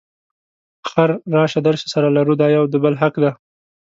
اخر راشه درشه سره لرو دا یو د بل حق دی.